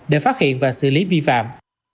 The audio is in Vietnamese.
để phát hiện và xử lý vi phạm